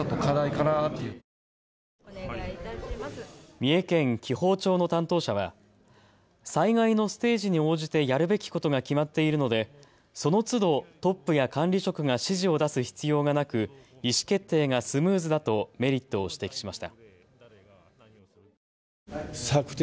三重県紀宝町の担当者は災害のステージに応じてやるべきことが決まっているのでそのつどトップや管理職が指示を出す必要がなく意思決定がスムーズだとメリットを指摘しました。